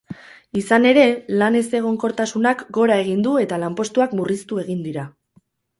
Izan ere, lan ezegonkortasunak gora egin du eta lanpostuak murriztu egin dira.